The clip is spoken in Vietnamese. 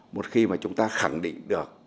một khi mà chúng ta khẳng định được